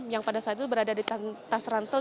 yang pada saat itu berada di tas ransel